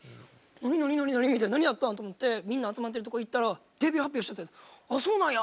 なになになに？みたいな何あったん？と思ってみんな集まってるとこ行ったらデビュー発表しててああそうなんや。